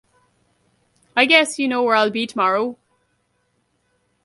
I guess you know where I'll be tomorrow!